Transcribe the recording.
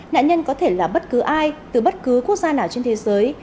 nạn nhân có thể là bất cứ ai từ bất cứ quốc gia nào trên thế giới